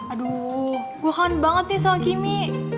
aduh gue kangen banget nih sama kimi